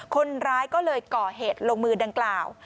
คนร้ายก็เลยก่อเหตุลงมือดังกล่าว